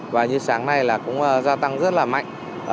và như sáng nay là cũng gia tăng rất là mạnh